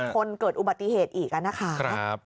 คนเกิดอุบัติเหตุอีกนะคะ